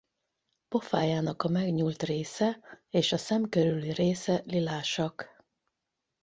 Pofájának a megnyúlt része és a szem körüli része lilásak.